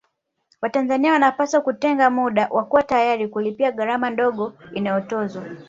Watanzania wanapaswa kutenga muda na kuwa tayari kulipia gharama ndogo inayotozwa